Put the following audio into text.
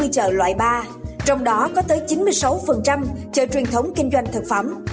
hai mươi chợ loại ba trong đó có tới chín mươi sáu chợ truyền thống kinh doanh thực phẩm